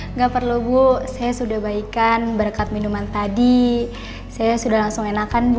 nggak perlu bu saya sudah baikan berkat minuman tadi saya sudah langsung enakan bu